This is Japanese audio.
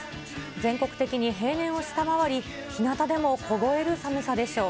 全国的に平年を下回り、ひなたでも凍える寒さでしょう。